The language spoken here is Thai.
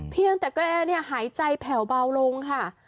เพียงแต่แกหายใจแผ่วเบาลง